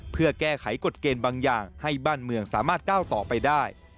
เพื่อแก้ไขกฎเกณฑ์บางอย่างให้บ้านเมืองสามารถก้าวต่อไปได้